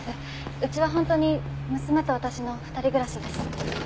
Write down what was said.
うちは本当に娘と私の二人暮らしです。